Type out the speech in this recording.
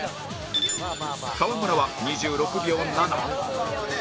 川村は２６秒０７